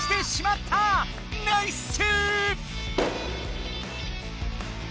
ナイッス！